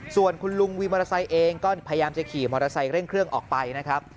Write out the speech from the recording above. ส่วนคุณลุงวินมอเตอร์ไซค์เองก็พยายามจะขี่มอเตอร์ไซค์เร่งเครื่องออกไปนะครับ